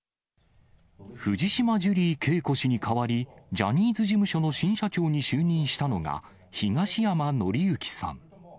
藤島ジュリー景子氏に代わり、ジャニーズ事務所の新社長に就任したのが、東山紀之さん。